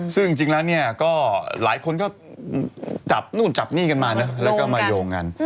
ซึ่งจริงเหล้าค่ะหลายคนก็จับหนี้กันมาแล้วก็โยงกัน